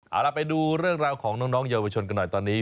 เอาล่ะไปดูเรื่องราวของน้องเยาวชนกันหน่อยตอนนี้